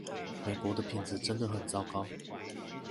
美國的品質真的很糟糕